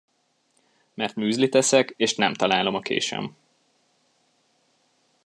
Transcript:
Mert müzlit eszek, és nem találom a késem.